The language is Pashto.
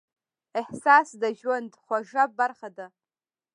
احساس د ژوند خوږه برخه ده.